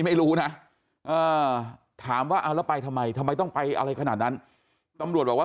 ไม่รู้นะถามว่าเอาแล้วไปทำไมทำไมต้องไปอะไรขนาดนั้นตำรวจบอกว่า